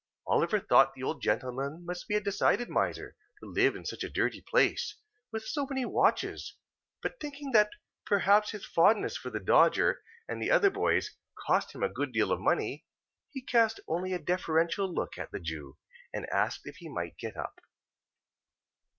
Oliver thought the old gentleman must be a decided miser to live in such a dirty place, with so many watches; but, thinking that perhaps his fondness for the Dodger and the other boys, cost him a good deal of money, he only cast a deferential look at the Jew, and asked if he might get up.